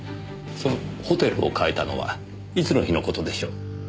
そのホテルを変えたのはいつの日の事でしょう？